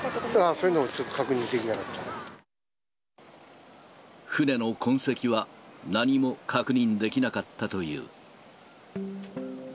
そういうのもちょっと確認で船の痕跡は何も確認できなかったという。